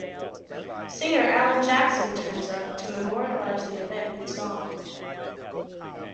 Singer Alan Jackson turns up to memorialize the event in song.